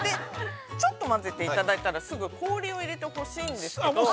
◆ちょっと混ぜていただいたら、すぐ氷を入れてほしいんですけど。